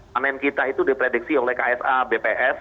panen kita itu diprediksi oleh ksa bps